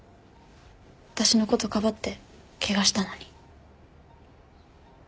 私のことかばってケガしたのに。